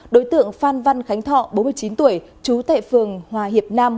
đối tượng phan văn khánh thọ bốn mươi chín tuổi chú tệ phường hòa hiệp nam